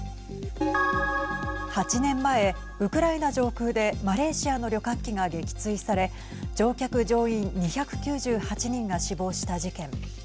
８年前、ウクライナ上空でマレーシアの旅客機が撃墜され乗客、乗員２９８人が死亡した事件。